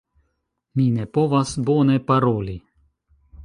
Mi ne povas bone paroli.